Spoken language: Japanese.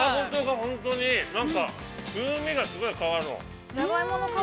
◆本当に風味がすごい変わるの。